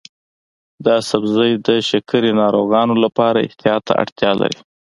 دا سبزی د شکرې ناروغانو لپاره احتیاط ته اړتیا لري.